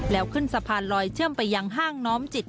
แล้วขึ้นสะพานลอยเชื่อมไปยังห้างน้อมจิต